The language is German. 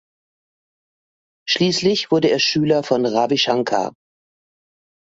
Schließlich wurde er Schüler von Ravi Shankar.